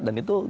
dan itu ya